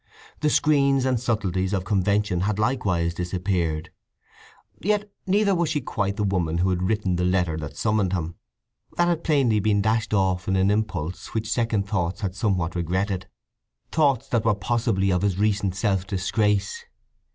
The screens and subtleties of convention had likewise disappeared. Yet neither was she quite the woman who had written the letter that summoned him. That had plainly been dashed off in an impulse which second thoughts had somewhat regretted; thoughts that were possibly of his recent self disgrace.